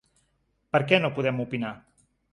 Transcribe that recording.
Per què no podem opinar?